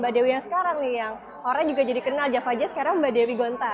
mbak dewi yang sekarang nih yang orangnya juga jadi kenal java jaz sekarang mbak dewi gonta